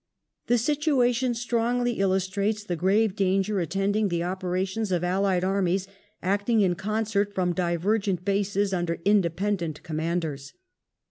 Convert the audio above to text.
The situation strongly illustrates the grave danger attending the operations of allied armies acting in concert from divergent bases under independent commanders.